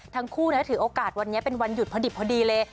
ทั้งคู่ถือโอกาสวันนี้เป็นวันหยุดพอดิบพอดีเลย